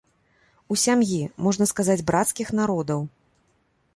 У сям'і, можна сказаць, брацкіх народаў.